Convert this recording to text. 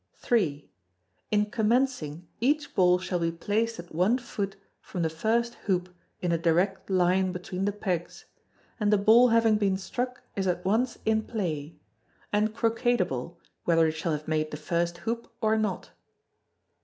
iii. In commencing, each ball shall be placed at one foot from the first hoop in a direct line between the pegs; and a ball having been struck is at once in play, and croquetable whether it shall have made the first hoop or not.